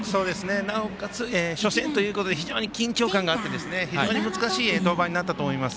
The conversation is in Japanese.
なおかつ初戦ということで非常に緊張感があって非常に難しい登板になったと思います。